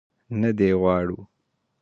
نه دې غواړو.